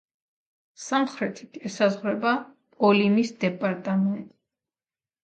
სამხრეთით ესაზღვრება ტოლიმის დეპარტამენტი.